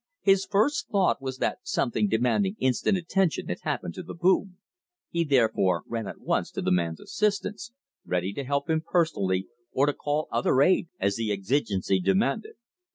His first thought was that something demanding instant attention had happened to the boom. He therefore ran at once to the man's assistance, ready to help him personally or to call other aid as the exigency demanded.